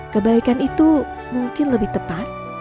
kebaikan itu mungkin lebih tepat